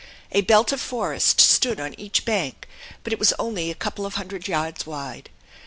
A belt of forest stood on each bank, but it was only a couple of hundred yards wide.